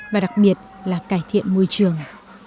và đặc biệt là cải thiện môi trường